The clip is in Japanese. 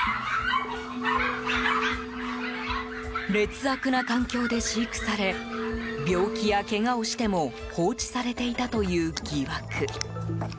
劣悪な環境で飼育され病気やけがをしても放置されていたという疑惑。